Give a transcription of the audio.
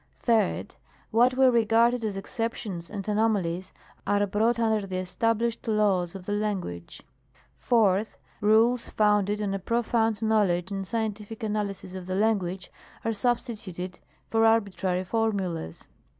3d. What were regarded as exceptions and anomalies, are brought under the established laws of the language. 4th. Eules founded on a profound knowledge and scientific analy sis of the language are substituted for arbitrary formulas.